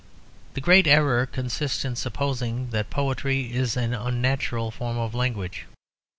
The great error consists in supposing that poetry is an unnatural form of language.